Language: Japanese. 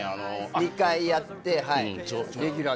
２回やってレギュラーですから。